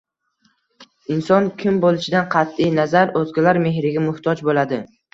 Inson kim bo‘lishidan qat’i nazar o‘zgalar mehriga muhtoj bo'ladi.